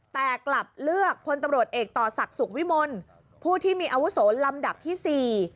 แต่กลับเลือกพลตำรวจเอกต่อศักดิ์สุขวิมลผู้ที่มีอาวุโสลำดับที่สี่